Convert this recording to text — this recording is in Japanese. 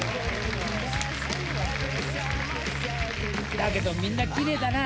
だけどみんな奇麗だな。